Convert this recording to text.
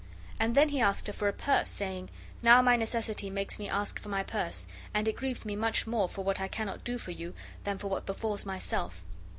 And then he asked her for a purse, saying: "Now my necessity makes me ask for my purse, and it grieves me much more for what I cannot do for you than for what befalls myself.